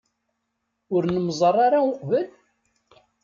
Ur nemmẓer ara uqbel?